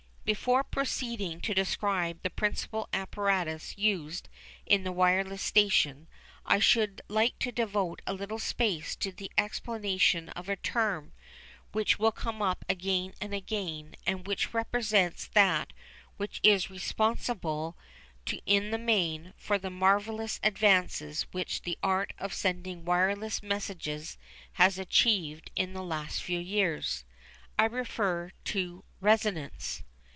Before proceeding to describe the principal apparatus used in the wireless station I should like to devote a little space to the explanation of a term which will come up again and again, and which represents that which is responsible, in the main, for the marvellous advances which the art of sending wireless messages has achieved in the last few years. I refer to "resonance."